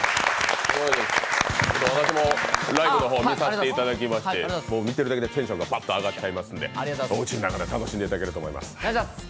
私もライブの方、見させていただきまして、見てるだけでテンションがばっと上がっちゃいますんでおうちの中で楽しんでいただけると思います。